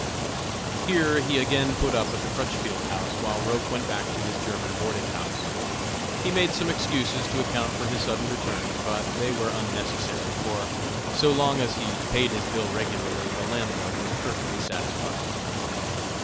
Here he again put up at the Crutchfield House, while Roch went back to his German boarding house. He made some excuses to account for his sudden return, but they were unnecessary, for, so long as he paid his bill regularly, the landlord was perfectly satisfied.